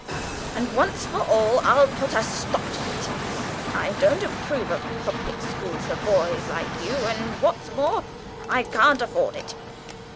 And, once for all, I'll put a stop to it. I don't approve of public schools for boys like you, and, what's more, I can't afford it.